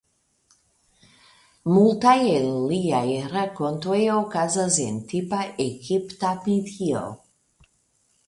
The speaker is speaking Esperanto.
Multaj el liaj rakontoj okazas en tipa egipta medio.